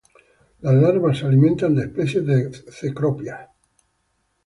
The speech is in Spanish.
Las larvas se alimentan de especies de "Cecropia".